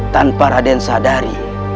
tanpa raden sadari